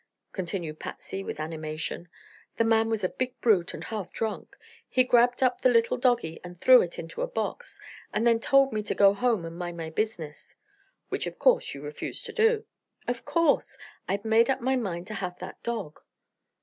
continued Patsy, with animation. "The man was a big brute, and half drunk. He grabbed up the little doggie and threw it into a box, and then told me to go home and mind my business." "Which of course you refused to do." "Of course. I'd made up my mind to have that dog."